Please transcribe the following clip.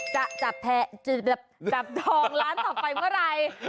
แล้วจะดับทองล้านต่อไปเมื่อไร